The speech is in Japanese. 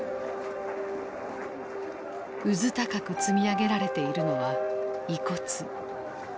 うずたかく積み上げられているのは遺骨。